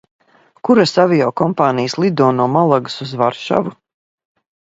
Kuras aviokompānijas lido no Malagas uz Varšavu?